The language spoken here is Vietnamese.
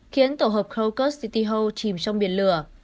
khiến tổ hợp krakow city hall chìm trong biển lửa